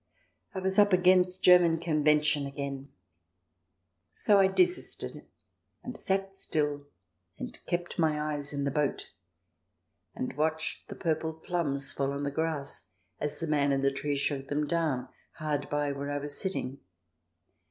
I was up against German convention again ! So I desisted, and sat still and kept my eyes in the boat, and watched the purple plums fall on the grass as the man in the tree shook them down hard by where I was sitting.